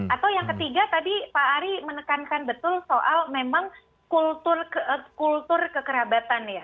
atau yang ketiga tadi pak ari menekankan betul soal memang kultur kekerabatan ya